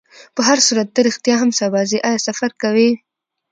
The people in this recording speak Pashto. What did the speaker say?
په هرصورت، ته رښتیا هم سبا ځې؟ آیا سفر کوې؟